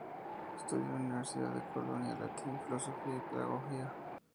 Estudió en la Universidad de Colonia Latín, Filosofía y Pedagogía.